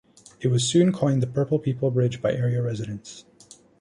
It was soon coined the "Purple People Bridge" by area residents.